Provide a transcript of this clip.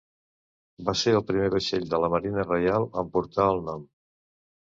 Va ser el primer vaixell de la marina reial en portar el nom.